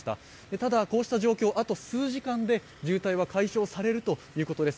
ただ、こうした状況、あと数時間で渋滞は解消されるということです。